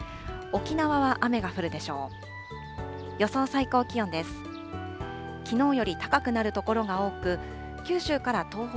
沖縄は雨が降るでしょう。